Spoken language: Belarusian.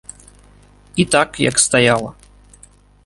І так, як стаяла.